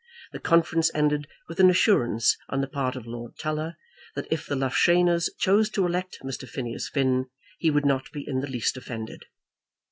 The conference ended with an assurance on the part of Lord Tulla that if the Loughshaners chose to elect Mr. Phineas Finn he would not be in the least offended.